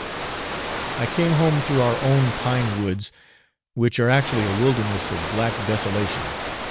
I came home through our own pine woods, which are actually a wilderness of black desolation.